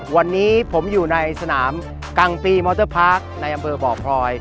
วันนี้ผมอยู่ในสนามกลางปีมอเตอร์พาร์คในอำเภอบ่อพลอย